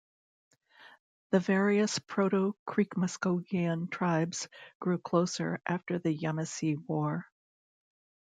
The various proto-Creek Muskogean tribes grew closer after the Yamasee War.